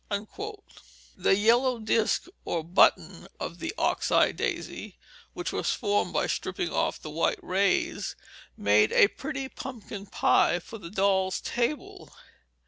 The yellow disk, or "button," of the ox eye daisy, which was formed by stripping off the white rays, made a pretty pumpkin pie for the dolls' table.